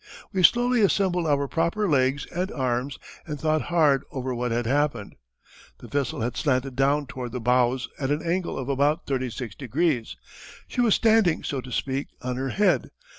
We slowly assembled our proper legs and arms and thought hard over what had happened. The vessel had slanted down toward the bows at an angle of about 36 degrees. She was standing, so to speak, on her head.